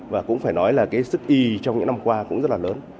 và cũng phải nói là cái sức y trong những năm qua cũng rất là lớn